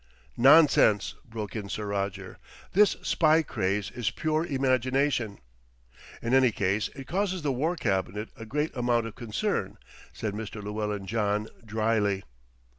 "Nonsense!" broke in Sir Roger. "This spy craze is pure imagination." "In any case it causes the War Cabinet a great amount of concern," said Mr. Llewellyn John drily.